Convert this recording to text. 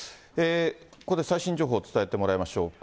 ここで最新情報伝えてもらいましょうか。